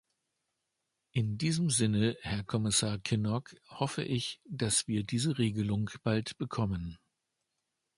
In diesem Sinne, Herr Kommissar Kinnock, hoffe ich, dass wir diese Regelung bald bekommen.